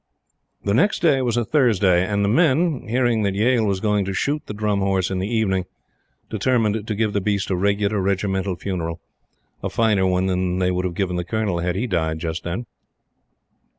The next day was a Thursday, and the men, hearing that Yale was going to shoot the Drum Horse in the evening, determined to give the beast a regular regimental funeral a finer one than they would have given the Colonel had he died just then.